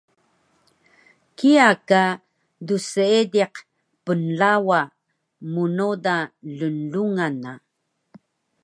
Kiya ka dseediq pnlawa mnoda lnglungan na